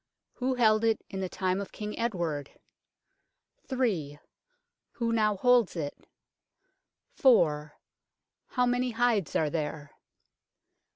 Who held it in the time of King Edward ? 3. Who now holds it ? 4. How many hides are there